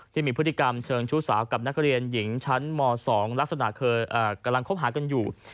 ที่มีพฤติกรรมเชิงชู้สาวกับนักเรียนหญิงชั้นม๒ลักษณะเคยกำลังคบหากันอยู่